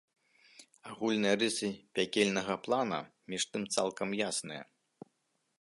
Агульныя рысы пякельнага плана між тым цалкам ясныя.